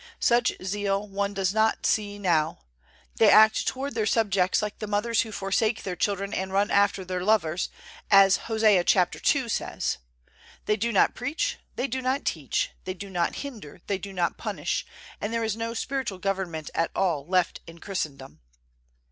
Such zeal one does not see now; they act toward their subjects like the mothers who forsake their children and run after their lovers, as Hosea ii. says; they do not preach, they do not teach, they do not hinder, they do not punish, and there is no spiritual government at all left in Christendom.